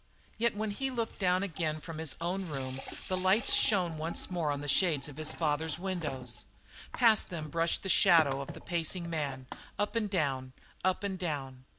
Yet when he looked down again from his own room the lights shone once more on the shades of his father's windows. Past them brushed the shadow of the pacing man, up and down, up and down.